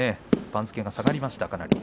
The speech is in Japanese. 番付が下がりましたかなり。